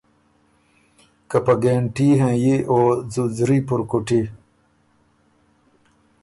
که په ګهېنټي هېنيی او ځُوځري پُرکُوټی۔